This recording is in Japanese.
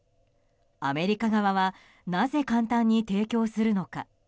アメリカ側はなぜ簡単に提供するのか。